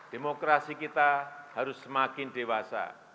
demokrasi kita harus semakin dewasa